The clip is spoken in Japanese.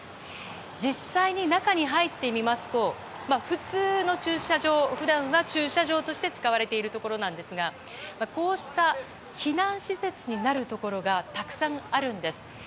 実際に、中に入ってみますと普段は普通の駐車場として使われているところなんですがこうした避難施設になるところがたくさんあるんです。